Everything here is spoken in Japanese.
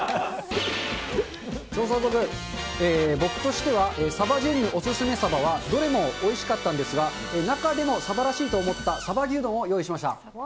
調査報告、僕としては、サバジェンヌお勧めサバは、どれもおいしかったんですが、中でもサバらしいと思ったサバ牛丼を用意しました。